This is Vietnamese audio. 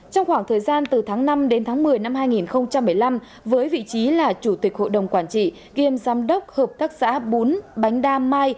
trong khoảng thời gian từ tháng năm đến tháng một mươi năm hai nghìn một mươi năm với vị trí là chủ tịch hội đồng quản trị kiêm giám đốc hợp tác xã bún bánh đa mai